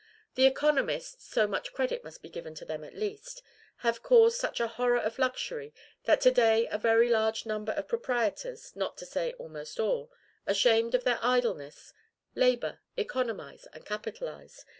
The economists (so much credit must be given them, at least) have caused such a horror of luxury, that to day a very large number of proprietors not to say almost all ashamed of their idleness labor, economize, and capitalize.